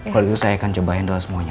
kalau gitu saya akan cobain dalam semuanya